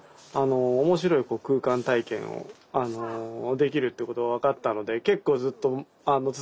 面白い空間体験をできるっていうことが分かったので結構ずっと続けて習いに行ってました。